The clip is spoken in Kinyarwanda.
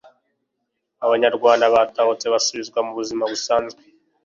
abanyarwanda batahutse basubizwa mu buzima busanzwe